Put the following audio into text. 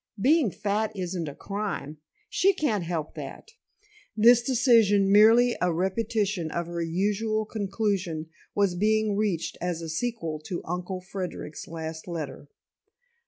Being fat isn't a crime. She can't help that." This decision, merely a repetition of her usual conclusion, was being reached as a sequel to Uncle Frederic's last letter.